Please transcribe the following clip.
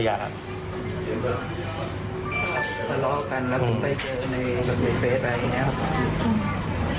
ทะเลาะกันแล้วผมไปเจอในเฟสอะไรอย่างนี้ครับ